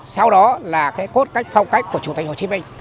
sau đó là cái cốt cách phong cách của chủ tịch hồ chí minh